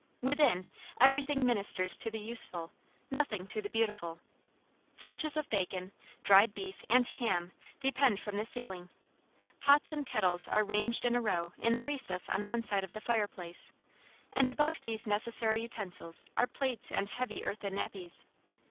Within, everything ministers to the useful; nothing to the beautiful. Flitches of bacon, dried beef, and ham depend from the ceiling; pots and kettles are ranged in a row in the recess on one side the fireplace; and above these necessary utensils are plates and heavy earthen nappies.